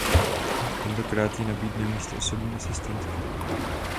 Tentokrát jí nabídne místo osobní asistentky.